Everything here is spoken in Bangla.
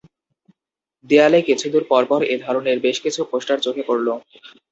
দেয়ালে কিছুদূর পরপর এ ধরনের বেশ কিছু পোস্টার চোখে পড়ল।